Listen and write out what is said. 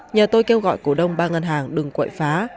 nhờ tôi kêu gọi cổ đông ba ngân hàng đừng quậy phá